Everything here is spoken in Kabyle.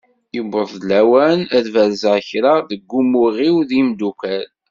Yewweḍ-d lawan ad berzeɣ kra deg umuɣ-iw n yemdukal.